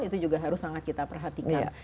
itu juga harus sangat kita perhatikan